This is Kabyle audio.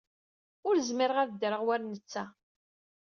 Ur zmireɣ ad ddreɣ war netta.